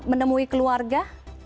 belum pernah menemui keluarga